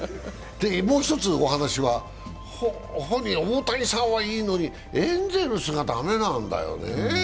もう一つお話は大谷さんはいいのにエンゼルスが駄目なんだよね。